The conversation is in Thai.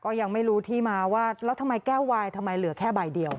ยังไม่รู้ที่มาว่าแล้วทำไมแก้ววายทำไมเหลือแค่ใบเดียว